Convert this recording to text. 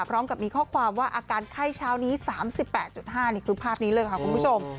พร้อมกับมีข้อความว่าอาการไข้เช้านี้๓๘๕นี่คือภาพนี้เลยค่ะคุณผู้ชม